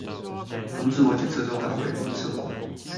從自我檢測中找回生活